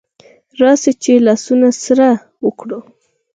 راسئ چي لاسونه سره ورکړو